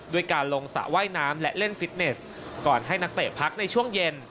ด้วยการลงสระว่ายน้ำและเล่นฟิตเนสก่อนให้นักเตะพักในช่วงเย็น